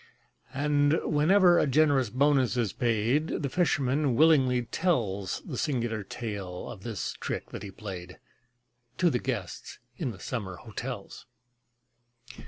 And, whenever a generous bonus is paid, The fisherman willingly tells The singular tale of this trick that he played, To the guests in the summer hotels.